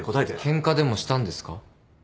ケンカでもしたんですか？